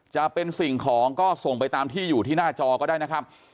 จะเป็นสิ่งของก็ส่งไปตามที่อยู่ที่หน้าจอก็ได้นะครับ